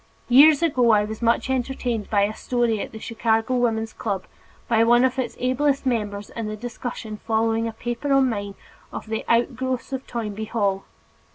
Years ago I was much entertained by a story told at the Chicago Woman's Club by one of its ablest members in the discussion following a paper of mine on "The Outgrowths of Toynbee Hall."